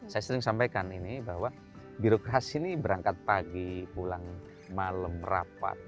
saya sering sampaikan ini bahwa birokrasi ini berangkat pagi pulang malam rapat